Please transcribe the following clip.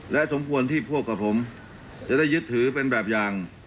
และสมควรที่พวกกับผมจะได้ยึดถือเป็นแบบอย่าง